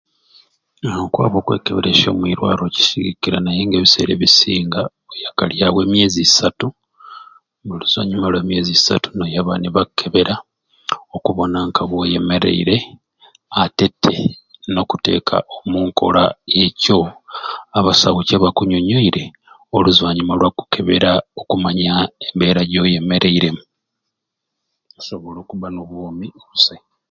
Aa okwaba okwekeberesya omwirwaro kisigikira naye nga ebiseera ebisinga oyakalyawo emyezi isatu buli luzwanyuma lwa myezi isatu noyaba nibakkebera okubona ka noyemereire ate te nokuteeka omunkola ekyo abasawu kibakunyonyoire oluzwannyuma lwa kukebera okumanya embeera gyoyemereiremu osobole okubba n'obwomi obusai.